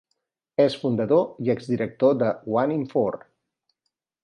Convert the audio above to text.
És fundador i exdirector de One in Four.